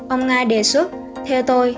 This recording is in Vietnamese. ông nga đề xuất theo tôi